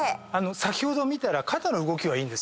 先ほど見たら肩の動きはいい。